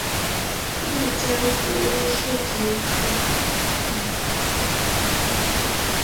丽江紫菀是菊科紫菀属的植物。